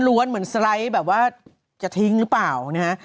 เหมือนสไลด์แบบว่าจะทิ้งหรือเปล่านะฮะ